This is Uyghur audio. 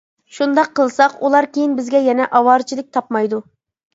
شۇنداق قىلساق ئۇلار كىيىن بىزگە يەنە ئاۋارىچىلىك تاپمايدۇ.